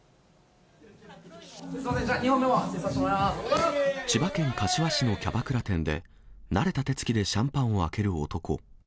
すみません、じゃ、千葉県柏市のキャバクラ店で、慣れた手つきでシャンパンを開ける男。